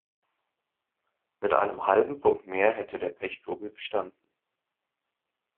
Mit einem halben Punkt mehr hätte der Pechvogel bestanden.